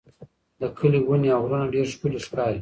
د کلي ونې او غرونه ډېر ښکلي ښکاري.